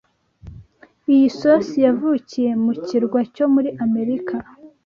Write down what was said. iyi sosi yavukiye ku kirwa cyo muri Amerika